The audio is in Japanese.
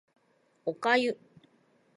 お粥